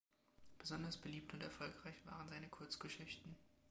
Besonders beliebt und erfolgreich waren seine Kurzgeschichten.